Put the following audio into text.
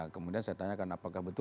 kemudian saya tanyakan apakah betul